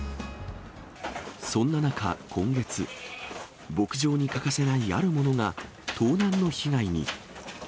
そんな中、今月、牧場に欠かせないあるものが、盗難の被害に。